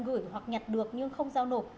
gửi hoặc nhặt được nhưng không giao nộp